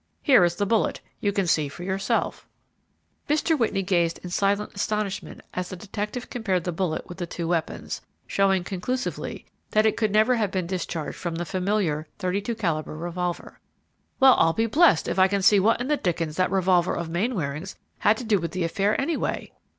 Here is the bullet, you can see for yourself." Mr. Whitney gazed in silent astonishment as the detective compared the bullet with the two weapons, showing conclusively that it could never have been discharged from the familiar 32 calibre revolver. "Well, I'll be blessed if I can see what in the dickens that revolver of Mainwaring's had to do with the affair, anyway!"